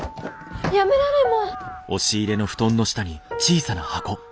やめられま。